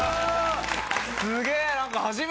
すげえ！